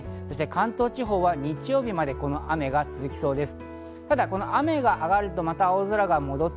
関東地方は日曜日までこの雨が続きそうです。